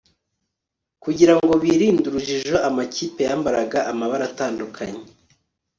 kugira ngo birinde urujijo, amakipe yambaraga amabara atandukanye